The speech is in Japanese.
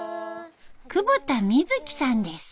久保田みずきさんです。